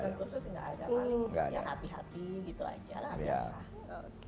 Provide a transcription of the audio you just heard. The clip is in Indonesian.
pesan khusus gak ada yang hati hati gitu aja lah biasa